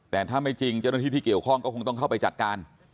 แต่ถ้าไม่จริงเจ้าหน้าที่ที่เกี่ยวข้องก็คงต้องเข้าไปจัดการ